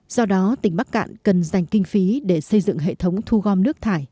do đó tỉnh bắc cạn cần dành kinh phí để xây dựng hệ thống thu gom nước thải